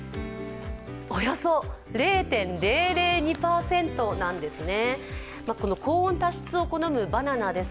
およそ０．００２％なんですね。